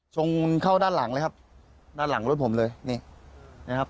ชนเข้าด้านหลังเลยครับด้านหลังรถผมเลยนี่นะครับ